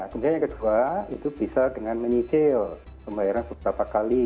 kemudian yang kedua itu bisa dengan menyicil pembayaran beberapa kali